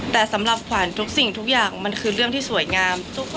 แต่สำหรับขวัญทุกสิ่งทุกอย่างมันคือเรื่องที่สวยงาม